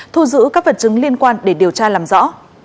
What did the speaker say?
thu giữ các vật chứng liên quan để điều tra làm rõ